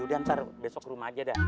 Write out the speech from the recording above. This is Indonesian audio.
udah ntar besok rumah aja dah